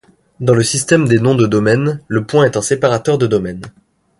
Dans le système des noms de domaine, le point est un séparateur de domaine.